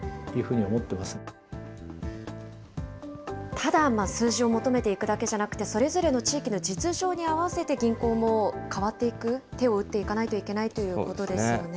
ただ数字を求めていくだけじゃなくて、それぞれの地域の実情に合わせて銀行も変わっていく、手を打っていかないといけないということですよね。